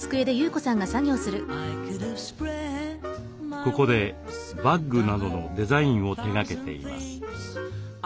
ここでバッグなどのデザインを手がけています。